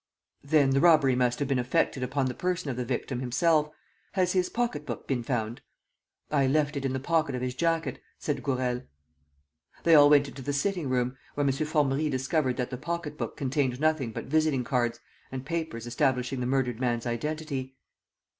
"Then the robbery must have been effected upon the person of the victim himself. Has his pocket book been found?" "I left it in the pocket of his jacket," said Gourel. They all went into the sitting room, where M. Formerie discovered that the pocket book contained nothing but visiting cards and papers establishing the murdered man's identity.